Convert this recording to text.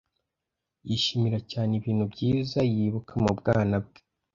Yishimira cyane ibintu byiza yibuka mu bwana bwe.